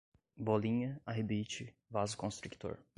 bolinha, arrebite, vasoconstrictor